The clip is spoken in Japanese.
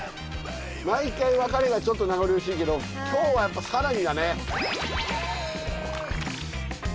毎回別れがちょっと名残惜しいけど今日はやっぱ更にだね。